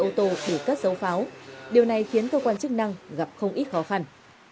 ô tô để cất dấu pháo điều này khiến cơ quan chức năng gặp không ít khó khăn